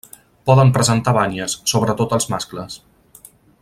Poden presentar banyes, sobretot els mascles.